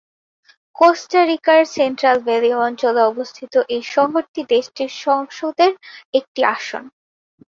Costa রিকার Central Valley অঞ্চলে অবস্থিত এই শহরটি দেশটির সংসদের একটি আসন।